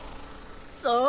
そう。